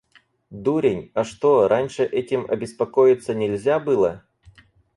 Дурень, а что, раньше этим обеспокоиться нельзя было?